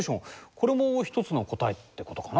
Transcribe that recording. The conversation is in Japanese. これも一つの答えってことかな。